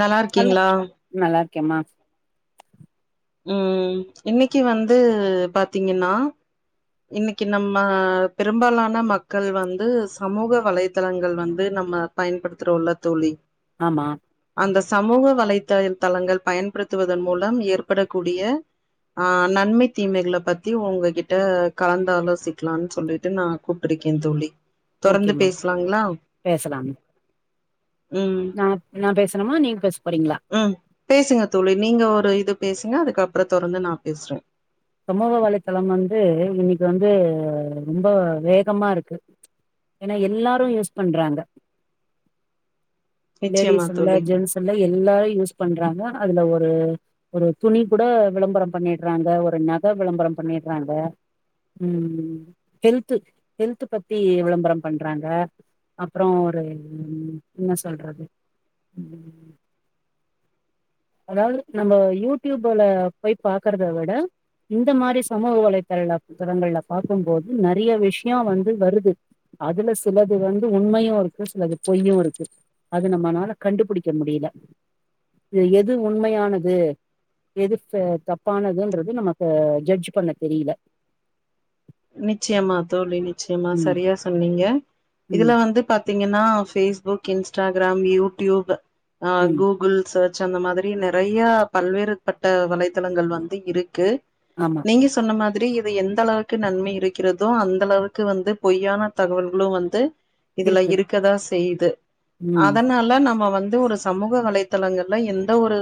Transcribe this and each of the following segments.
நல்லா அல்ல இருக்கீங்களா நல்லா இருக்கியா மா ம் இன்னைக்கு வந்து பாத்தீங்கன்னா இன்னைக்கு நம்ம பெரும்பாலான மக்கள் வந்து சமூக வலைத்தளங்கள் வந்து நம்ம பயன்படுத்துறள்ள தோழி ஆமா அந்த சமூக வலை தை தா தளங்கள் பயன்படுத்துவதன் மூலம் ஏற்படக்கூடிய அஹ் நன்மை தீமைகளை பத்தி உங்ககிட்ட கலந்த ஆலோசிக்கலாம்னு சொல்லிட்டு நான் கூப்பிட்டிருக்கேன் தோழி தொடர்ந்து ஓகேம்மா பேசலாங்களா பேசலாம் ம் நா நா பேசணுமா நீங்க பேச போறீங்களா ம் பேசுங்க தோழி நீங்க ஒரு இது பேசுங்க அது கப்புற தொறந்து நா பேஸ்றே சமூக வலைத்தளம் வந்து இன்னைக்கி வந்து ரொம்ப வேகமாருக்கு ஏனா எல்லாரு யூஸ் பண்றாங்க நிச்சயமா லேடிஸ் இல்ல தோழி ஜென்ஸ் இல்ல எல்லாரு யூஸ் பண்றாங்க அதுல ஒரு ஒரு துணி கூட விளம்பரம் பண்ணிடுறாங்க ஒரு இப்ப நக விளம்பரம் பண்ணிடுறாங்க ம் ஹெல்து ஹெல்த்து பத்தி விளம்பரம் பண்றாங்க அப்புறோ ஒரு ம் என்ன சொல்றது ம் அதாவது நம்ம யூடியூப்ல போய் பாக்கறத விட இந்த மாரி சமூக வலைதளங்க திரங்கள்ல பாக்கும்போது நறைய விஷ்யோ வந்து வருது அதுல சிலது வந்து உண்மையு இருக்கு சிலது பொய்யு இருக்கு அது நம்மானால கண்டுபுடிக்க முடியல இதுல எது உண்மையானது எது சே தப்பானதுன்றது நமக்கு ஜட்ஜ் பண்ண தெரியல நிச்சயமா தோழி நிச்சயமா ம் சரியா சொன்னீங்க ம் இதுல வந்து பாத் தீங்கன்னா பேஸ்புக் இன்ஸ்டாகிராம் யூடியூப் அ ம் கூகுள் சர்ச் ச்சு அந்த மாதிரி நெறையா பல்வேறு பட்ட வலைத்தளங்கள் வந்து இருக்கு ஆமா நீங்க சொன்ன மா திரி இது எந்தலாட் க்கு நன்மை இருக்கிறதோ அந்த அளவுக்கு வந்து பொய்யான தகவல்களு வந்து இதுல இருக்கு இருக்கதா செய்யுது ம் அதனால நம்ம வந் து ஒரு சமூக வலைதளங்கள்ல எந்த ஒரு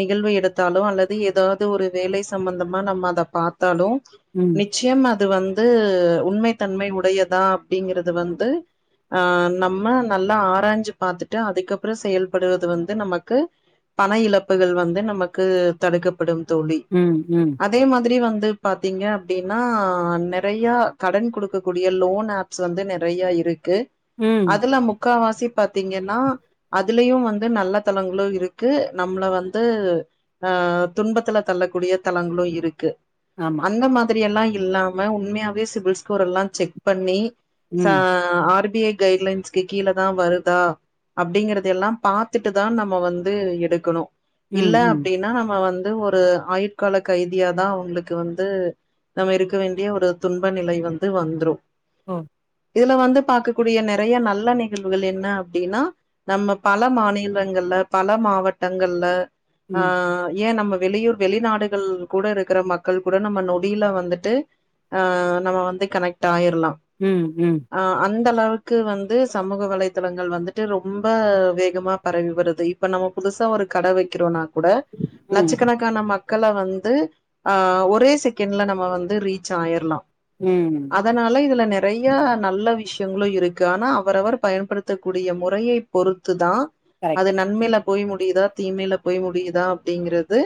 நிகழ்வு எடுத்தாலு அல்லது ஏதாவது ஒரு வேலை சம்பந்தமா நம்ம அத பாத்தாலு ம் நிச்சயமா அது வந்து உண்மைத்தன்மை உடையதா அப்டிங்கறது வந்து அ நம்ம நல்லா ஆராய்ஞ்சி பாத்துட்டு அதுக்கப்புறோ செயல்படுவது வந்து நமக்கு பண இழப்புகள் வந்து நமக்கு தடுக்கப்படும் தோழி ம் ம் அதே மாதிரி வந் து பாத்தீங்க அப்டின்னா நெறையா கடன் குடுக்கக்கூடிய லோன் ஆப்ஸ் வந்து நெறையா இருக் கு ம் அதெல்லா முக்காவா சி பாத்தீங்கன்னா அதுலயு வந்து நல்ல தளங்களு இருக்கு நம்மள வந்து அ துன்பத்துல தள்ளக்கூடிய தளங்களு இருக்கு ஆமா அந்த மாத் திரி எல்லா இல்லாம உண்மையாவே சிபில்ஸ் ஸ்கோரெல்லா செக் பண்ணி சா ம் ஆர் பி ஐ கைட்லைன்ஸ்கு கீழே தா வருதா அப்டிங்கறத எல்லா பாத்துட்டு தா நம்ம வந்து எடுக்கணு இல்ல ம் ம் அப்டின்னா நம்ம வந் ந்து ஒரு ஆயுட்கால கைதியாதா உங்களுக்கு வந்து நம்ம இருக்க வேண்டிய ஒரு துன்ப நிலை வந்து வந்துரு ஒ இதுல வந்து பாக்கக்கூடிய நெறைய நல்ல நிகழ்வுகள் என்ன அப்டின்னா நம்ம பல மாநிலங்கள்ல பல மாவட்டங்கள்ல அ ம் ஏ நம்ம வெளியூர் வெளிநாடுகள் கூட இருக்கற மக்கள் கூட நம்ம நொடியில வந் துட்டு அ நம்ம வந்து கனெக்ட் ஆயி ல்லா ம் ம் அ அந் இந்த லவ்ல் க்கு வந்து சமூக வலை த்தங்கள் வந்துட்டு ரொம்ப வேகமா பரவி வருது இப்ப நம்ம புதுசா ஒரு கட வெக்கிறோனா கூட ம் லட்சக்கணக்கான மக் க்கள வந்து ஆ ஒரே செகண்ட்ல நம் ம வந்து ரீச் ஆயிர்லா ம் அதனால இதுல நெறைய நல்ல விஷ் யங்களு இருக்கு ஆனா அவரவர் பயன்படுத்தக்கூடிய முறையை பொறுத்து தா அது கரெக்ட் நன்மையில போய் முடியுதா தீமையில போய் முடியுதா அப்டிங்கிறது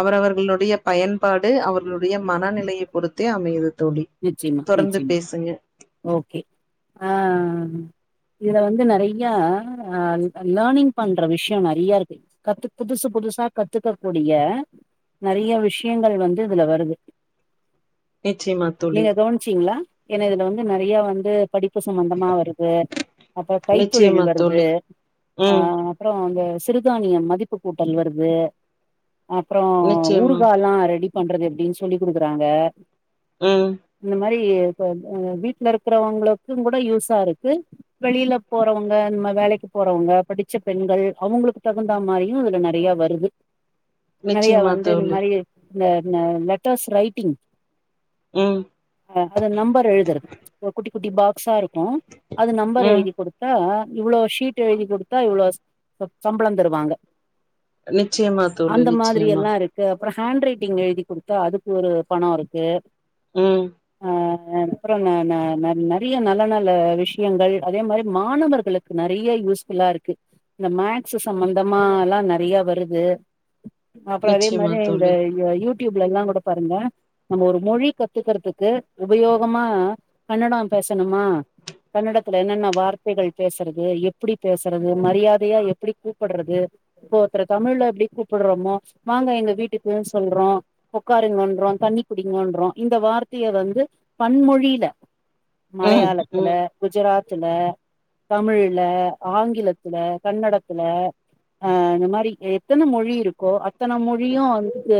அவரவர்களுடைய பயன்பாடு அவர்களுடைய மனநிலை பொறுத்தே அமையுது தோழி. நிச்சியமா தொடர்ந்து நிச்சியமா பேசுங்க. ஓகே ஆ இதுல வந்து நெறைய ஆ லேர்னிங் பண்ற விஷயோ நெறைய இருக்கு கத்து புதுசு புதுசா கத்துக்கக்க கூடிய நெறைய விஷயங்கள் வந்து இதுல வருது நிச்சயமா தோழி. நீங்க கவனிச்சீங்களா ஏன்னா இதுல வந்து நெறைய வந் து படிப்பு சம்பந்தமா வருது அப்பற நிச்சயமா கைத்தொழில் வருது தோழி. அ ம். அப்றோ அந்த சிறுதானியம் மதிப்பு கூட்டல் வருது அப்றோ நிச்சயமா. ஊறுகா லா ரெடி பண்றது எப்படின்னு சொல்லி குடுக்குறாங்க ம் ரி இப்ப வீட்ல இருக்றவங்களுக்கூ கூட யூஸா இருக்கு வெளியில போறவங்க இந்த வேலைக்கு போறவங்க படிச்ச பெண்கள் அவங்களுக்கு தகுந்தா மாரியு இதுல நெறைய வருது நெறைய நிச்சயமா வந்து இந்த தோழி. மாரி இந்த இந்த லெட்டர்ஸ் ரைட்டிங் ம். அ அத நம்பர் எழுதுறது குட்டி குட்டி பாக்ஸா இருக் க்கூ அது நம்பர் ம். எழுதி கொடுத்தா இவ்ளோ ஷீட் எழுதி கொடுத்தா இவ்ளோ ச சம்பளம் தருவாங்க நிச்சியமா தோழி நிச்சியமா அப்பற ஹேண்ட் ரைட்டிங் எழுதி குடுத்தா அதுக்கு ஒரு பணம் இருக்கு ம் அ அப்பறோ ந ந நறைய நல்ல நல்ல விஷயங்கள் அதே மாரி மாணவர்களுக்கு நறைய யூஸ்புல்லா இருக்கு இந்த மேக்ஸ் சம்பந்தமால்லா நெறைய வருது அப்பறோ அதே நிச்சயமா மாரி இந்த தோழி. யூ டியூப்ல எல்லா கூட பாருங்க நம்ம ஒரு மொழி கத்துக்கிறதுக்கு உபயோகமா கன்னடம் பேசணுமா கன்னடத்துல என்னென்ன வார்த்தைகள் பேசுறது எப்டி பேசுறது மரியாதையா எப்டி கூப்பட்றது இப்ப ஒருத்தர தமிழ்ல எப்டி கூப்பிட்றோமோ வாங்க எங்க வீட்டுக்கு சொல்றோ உக்காருங்கன்றோ தண்ணிக்குடிங்கன்றோ இந்த வார்த்தைய வந்து பன்மொழில ம். மலையாளத்துல ம். குஜராத் த்தில தமிழ்ல, ஆங்கிலத்துல, கன்னடத்துல ஆ இந்த மாரி எத்தன மொழி இருக்கோ அ த்தன மொழியு வந்துட்டு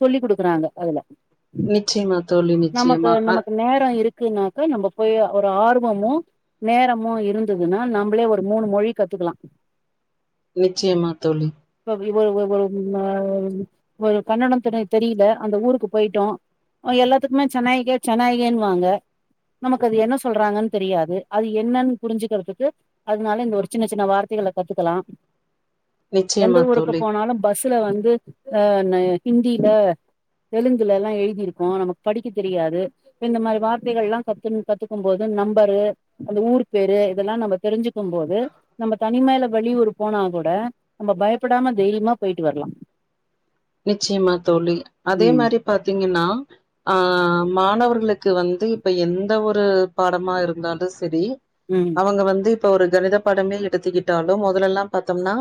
சொல்லி குடு க்குறாங்க அதுல நிச்ச யமா தோழி நிச்சயமா அ கினாக்க நம்ப போய் ஒரு ஆர்வமோ நேரமோ இருந்ததுனா நம்மளே ஒரு மூணு மொழி கத்துக்கலா நிச்சயமா தோழி இவரு ஒரு ஒரு ஹ ஒரு கன்னடத்தில தெரியல அந்த ஊருக்கு போயிட்டோ அவன் எல்லாத்துக்குமே சனாய்க்கே சனாய்க்கேன்னுவாங்க நமக்கு அது என்ன சொல்றாங்கன்னு தெரியாது அது என்னனு புரிஞ்சுக்கிறதுக்கு அதனால இந்த ஒரு சின்ன சின்ன வார்த்தைகள கத்துக்கலா எந்த நிச்சயமா ஊருக்கு தோழி, போனாலும் பஸ் ல வந்து ஹிந்தில தெலுங்குல எல்லா எழுதிரு கோ நமக்கு படிக்கத் தெரியாது இப்ப இந்த மாரி வார்த்தைகள் எல்லா கத்து கத்துக்கும் போது நம்பரு அந்த ஊர் பேரு இதெல்லா நம்ம தெரிஞ்சுக்கும் போது நம்ம தனிமைல வெளியூர் போனா கூட நம்ம பயப்படாம தைரியமா போயிட்டு வரலாம் நிச்சயமா தோழி அதே மாரி பாத்தீங்கன்னா ஆ மாணவர்களுக்கு வந்து இப்ப எந்த ஒரு பாடமா இருந்தாலு செரி ம் அவுங்க வந்து இப்போ ஒரு கணித பாடமே எடுத்துக்கிட்டாலும் முதலெல்லாம் பாத்தம்னா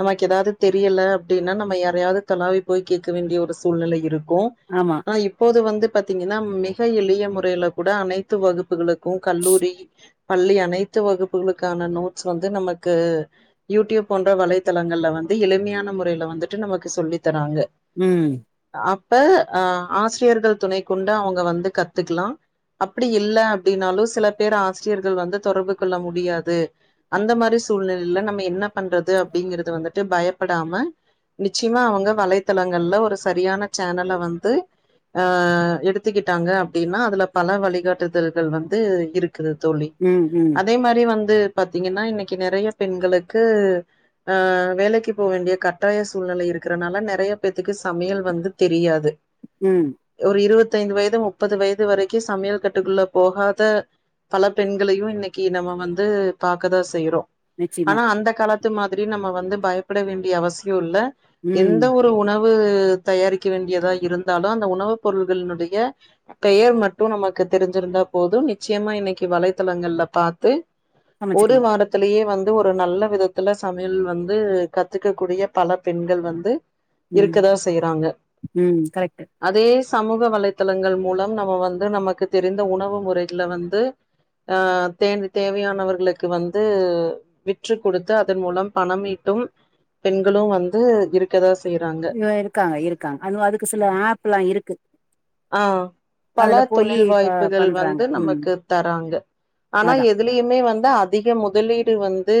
நமக்கு எதாவது தெரில அப்டின்னா நம்ம யாரையாவது தொலாவி போய் கேட்க வேண்டிய ஒரு சூழ்நிலை இரு க்கு ஆமா ஆனா இப்போது வந்து பாத்தீங்கன்னா மிக எளிய முறையில கூட அனைத்து வகுப்புகளுக்கு கல்லூரி, பள்ளி அனைத்து வகுப்புகளுக்கான நோட்ஸ் வந்து நமக்கு யூடியூப் போன்ற வலைத்தளங்கள்ல வந்து எளிமையான மொறையில வந்துட்டு நமக்கு சொல்லி தறாங்க ம் அப்ப ஆ ஆசிரியர்கள் துணை கொண்டு அவுங்க வந்து கத்துக்கலா அப்டி இல்ல அப்டின்னாலு சில பேர் ஆசிரியர்கள் வந்து தொடர்பு கொள்ள முடியாது அந்த மாரி சூழ்நிலைல நம்ம என்ன பண்றது அப்டிங்கிறது வந்துட் டு பயப்படாம நிச்சியமா அவுங்க வலைத்தளங்கள்ல ஒரு சரியான ச்சேனல வந்து ஆ எடுத்துக்கிட்டாங்க அப்டின்னா அதுல பல வழிகாட்டுதல்கள் வந்து இரு க்குது தோழி ம் ம் அதே மாரி வந்து து பாத்தீங்கன்னா இன்னிக்கு நெறயா பெண்களுக்கு அ வேலைக்கு போ வேண்டிய கட்டாய சூழ்நிலை இருக்கிறனால நெறயா பேத்துக்கு சமையல் வந்து தெரியாது ம் ஒரு இருவ த்தைந்து வயது முப்பது வயது வரைக்கு சமையல் கட்டுக்குள்ள போகாத பல பெண்களையு இன்னிக்கு நம்ம வந்து பாக்கதா செய்றோ நிச்சயமா ஆனா அந்த கால இது மாரி நம்ம வந்து பயப்பட வேண்டிய அவசியோ இல்ல ம் எந்த ஒரு உணவு தயாரிக்க வேண்டியதா இருந்தாலு அந்த உணவு பொருள்கள்னுடைய பெயர் மட்டு நமக்கு தெரிஞ்சிருந்தா போது நிச்சியமா இன்னிக்கு வலைத்தளங்கள்ல பாத்து ஒரு சமைச்சுக்கலா வாரத்திலயே வந் இது ஒரு நல்ல விதத்துல சமையல் வந்து கத்துக்கக் கூடிய பல பெண்கள் வந் து ம் இருக்கதா செய்றாங்க ம் கரெக்ட் அதே சமூக வலைதளங்கள் மூலம் நம்ம வந்து நமக்கு தெரிந்த உணவு முறைகள வந்து ஆ தேனு தேவையானவர்களுக்கு வந்து விற்று கொடுத்து அதன் மூலம் பணம் ஈட்டும் பெண்களு வந்து இருக் க தா ஆ இருக்காங்க இருக்காங்க அதுவு அதுக்கு சில ஆப்லா இருக்கு ஆ பல அதுல போயி தொழில் ப வாய்ப்புகள் பண்றாங்க வந்து ம் நமக்கு தராங்க ஆனா அதா எதுலயுமே வந்து அதிக முதலீடு வந்து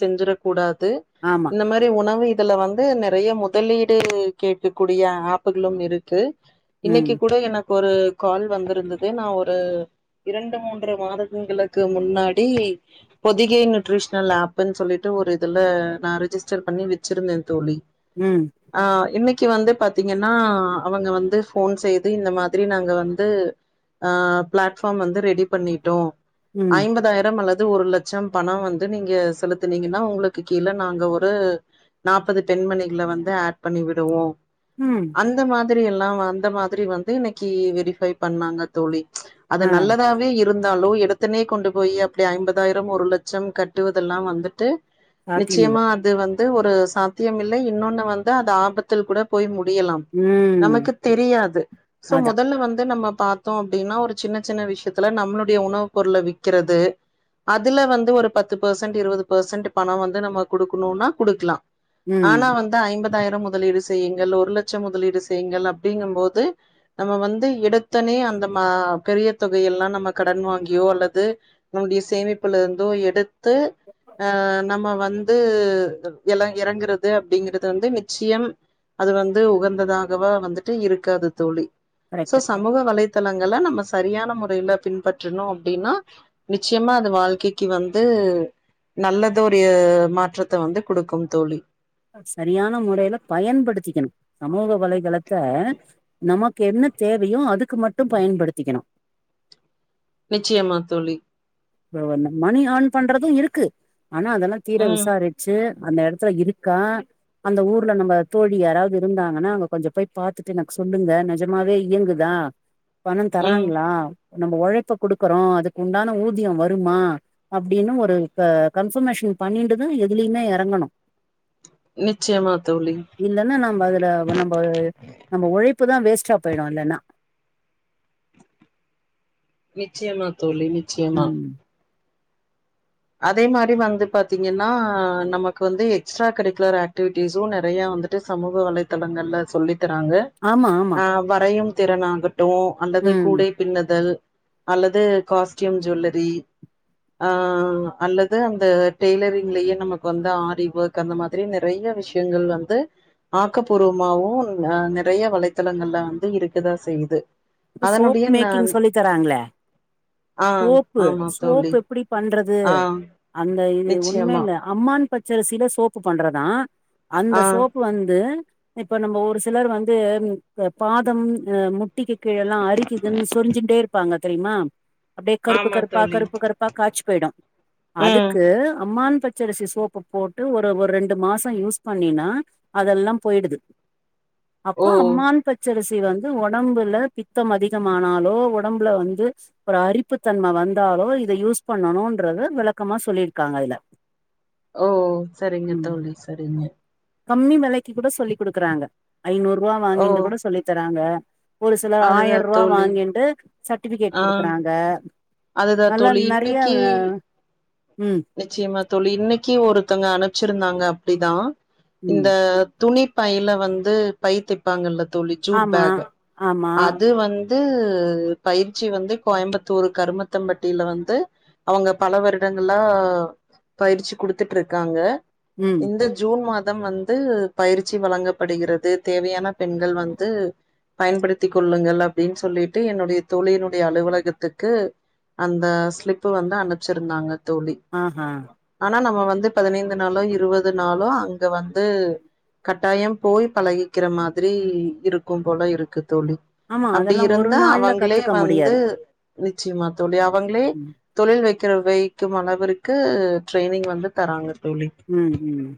செஞ்சிரக் கூடாத் து ஆமா இந்த மாரி உணவு இதுல வந்து நெறைய மொதலீடு கேட்கக்கூடிய ஆப்புகளும் இருக்கு இன்னைக்கு ம் கூட எனக்கு ஒரு கால் வந்துருந்தது நா ஒரு இரண்டு மூன்று மாதங்களுக்கு முன்னாடி பொதிகை நியூட்ரிஷனல் ஆப்ன் சொல்லிட்டு ஒரு இதுல நா ரிஜிஸ்டர் பண்ணி வச்சிருந்த தோழி ம் ஆ இன்னைக் கு வந்து பாத்தீங்கன்னா அவங்க வந்து ஃபோன் செய் திரி இந்த மாதிரி நாங்க வந்து ஆ பிளாட்பார்ம் வந்து ரெடி பண்ணிட்டோ ம் ஐம்பதாயிரம் அல்லத் து ஒரு லட்சம் பணோ வந்து நீங்க செலுத்துனீங்கனா உங்களுக்கு கீழ நாங்க ஒரு நாப்பது பெண்மணிகள வந்து ஆட் பண்ணி விடுவோ ம் அந்த மாத் திரி எல்லா வந்த மாத் திரி வந்து இன்னைக்கி வெரி ஃபை பண்ணாங்க தோழி ப்ச் அது ஆ நல்லதாவே இரு இருந்தாலு எடுத்துனே கொண்டு போய் அப்டி ஐம்பதாயிரம் ஒரு லட்சம் கட்டுவதெல்லா வந்துட்டு சாத்தியமில்ல நிச்சயமா அது வந் து ஒரு சாத்தியம் இல்லை இன்னொன்னு வந்து அது ஆபத்தில் கூட போய் மு முடியல்லாம் ம் நமக்கு தெரியாது சோ அதா மொதல்ல வந் து நம்ம பாத்தோ அப்டினா ஒரு சின்ன சின்ன விஷியத்துல நம்மளுடைய உணவு பொருள விக்கிறது அதுல வந்து ஒரு பத்து பர்சன்ட் இருவது பர்சன்ட் பணோ வந்து நம்ம குடுக்கணுனா குடுக்லா ம் ஆனா வந்து ஐம்பதாயிரம் முதலீடு செய்யுங்கள் ஒரு லட்ச மொதலீடு செய்ங்கள் அப்டிங்கம்போது நம்ம வந்து எடுத்தனே அந்த மா பெரிய தொகையெல்லா நம்ம கடன் வாங்கியோ அல்லது நம்முடைய சேமிப்புலருந்தோ எடுத்து அ நம்ம வந்து எல்லா எறங்குறது அப்டிங்கறத வந்து நிச்சியம் அது வந்து உகந்ததாகவா வந்துட்டு இருக்காது தோழி சோ கரெக்ட்டு சமூக வலைத் தலங்கள நம்ம சரியான முறையில பின்பற்றனு அப்டினா நிச்சயமா அது வாழ்க்கைக்கு வந்து நல்லதோடைய மாற்றத்த வந்து குடுக்கும் தோழி சரியான முறையில பயன்படுத்திக்கனு சமூக வலைதளத்த நமக்கு என்ன தேவையோ அதுக்கு மட்டும் பயன்படுத்திக்கணும் நிச்சயமா தோழி ப்ரோ [unintelligible] மணி ஆன் பண்றதும் இருக்கு ஆனா அதெல்லா தீர ம் விசாரிச்சு அந்த இடத்துல இருக்கா அந்த ஊர்ல நம்ம தோழி யாராவது இருந்தாங்கன்னா அங்க கொஞ்ச போய் பாத்துட்டு எனக்கு சொல்லுங்க நிஜமாவே இயங்குதா பணம் ம் தராங்களா நம்ம உழைப்ப கொடுக்குறோம் அதுக்கு உண்டான ஊ தியம் வருமா அப்படின்னு ஒரு க கன்பர்மேஷன் பண்ணிட்டுதா எதுலயுமே இறங்கணும் நிச்சயமா தோழி இல்லன்னா நம்ம அதுல நம்ம நம்ம உழைப் இப்பதா வேஸ்டா போயிடும் இல்லனா நிச்சயமா தோழி நிச்சயமா அதே மாரி வந்து பாத்தீங்கன்னா நமக்கு வந்து எக்ஸ்ட்ரா கரிக்குலர் ஆக்டிவிட்டிஸும் நறைய வந்துட்டு சமூக வலைதளங்கள்ல சொல்லி தறாங்க ஆமா ஆமா ஆ வரையும் திறனாங்க டோ அல்லது ம் கூடை பின்னுதல் அல்லது காஸ்ட்யூம் ஜுவல்லரி ஆ அல்லது அந்த டெய்லரிங்லயே நமக்கு வந்து ஆரி ஒர்க் அந்த மாதிரி நறைய விஷயங்கள் வந்து ஆக்கப்பூர்வமாவும் அ நறைய வலைத்தளங்கள்ல வந்து இருக்கதா செய்து சோப் மேக்கிங் சொல்லிதராங்களே ஆ சோப்பு ஆமா தோழி சோப் எப்படி பண்ற து ஆ [unintelligible] இது ஒண்ணுமே நிச்சயமா இல்ல அம்மான் பச்சரிசியில சோப்பு பண்றதா அந்த ஆ சோப்பு வந்து இப்ப நம்ம ஒரு சிலர் வந்து பாதம் அ முட்டிக்கு கீழ எல்லாம் அரிக்குதுன் சொரிஞ்சிட்டே இருப்பாங்க தெரியுமா அப்படியே கருப்பு ஆமா கருப்பா தோழி கருப்பு கருப்பா காய்சு போயிடும் ம் அதுக்கு அம்மான் பச்சரிசி சோப்பு போட்டு ஒரு ஒரு ரெண்டு மாசம் யூஸ் பண்ணினா அதெல்லாம் போயிடுது ஓ அப்பா அம்மான் பச்சரிஸ் இது வந்து உடம்புல பித்தம் அதிகமானாலோ உடம்புல வந்து ஒரு அரிப்புத்தன்மை வந்தாலோ இத யூஸ் பண்ணணுன்றத விளக்கமா சொல்லியிருக்காங்க அதுல ஓ சரிங்க ம் தோழி சரிங்க கம்மி விலைக்கு கூட சொல்லி கொடுக்குறாங்க ஐநூறு ரூபா ஓ வாங்கிந்து கூட சொல்லித்தராங்க ஒரு சில அதுதா ஆயிர ரூபா தோழி வாங்கிட்டு சர்ட்டிபிகேட் குடுக்குறாங்க அதுதான் நல்லா தோழி நெறைய இன்னைக்கி ம் நிச்சயமா தோழி இன்னைக்கி ஒருத்தங்க அனுப் ச்சிருந்தாங்க அப்டிதான் இந்த ம் துணி பையில வந்து பை தெப்பாங்கல்ல தோழி ஜூட் ஆமா பேக் ஆமா அது வந் து பயிற்சி வந்து கோயம்புத்தூர் கருமத்தம்பட்டியில வந்து அவங்க பல வருடங் ல்லா பயிற்சி குடுத்துட்ருக்காங்க ம் இந்த ஜூன் மாத் தம் வந்து பயிற்சி வழங்கப்படுகிறது தேவையான பெண்கள் வந்து பயன்படுத்திக் கொள்ளுங்கள் அப்டின்னு சொல்லிட்டு என்னுடைய தோழினுடைய அலுவலகத்துக்கு அந்த ஸ்லிப்பு வந்து அனுப்ச்சிருந்தாங்க தோழி ஆஹா ஆனா நம் இப்போ வந்து பதினைந்து நாளோ இருவது நாளோ அங்க வந்து கட்டாயம் போய் பழகிக்கிற மாதிரி இருக்கும் போல இருக்கு தோழி ஆமா அப்டி அதெல்லா ஒரு இருந்தா நாள்ல அவங்களே கத்துக்க வந்து முடியாது நிச்சியமா தோழி அவங்களே ம் தொழில் வைக் குற வை தும் அளவிற்கு ட்ரெயினிங் வந்து தராங்க தோழி ம் ம்